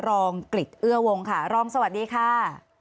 กริจเอื้อวงค่ะรองสวัสดีค่ะ